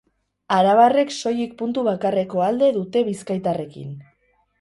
Arabarrek soilik puntu bakarreko alde dute bizkaitarrekin.